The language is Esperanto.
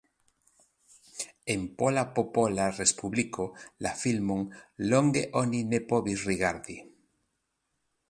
En Pola Popola Respubliko la filmon longe oni ne povis rigardi.